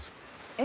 え？